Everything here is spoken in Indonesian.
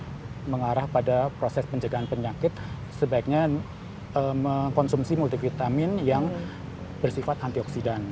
jadi untuk yang mengarah pada proses penjagaan penyakit sebaiknya mengkonsumsi multivitamin yang bersifat antioksidan